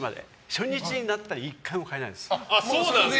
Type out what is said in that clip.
初日になったら１回も変えないです。